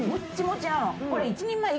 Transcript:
これ。